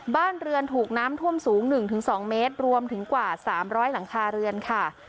บ้านเรือนถูกน้ำท่วมสูงหนึ่งถึงสองเมตรรวมถึงกว่าสามร้อยหลังคาเรือนค่ะ